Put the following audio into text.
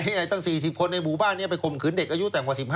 ให้ไอ้ตั้ง๔๐คนในหมู่บ้านนี้ไปคมขึ้นเด็กอายุแต่๑๕